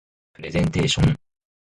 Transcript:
プレゼンテーション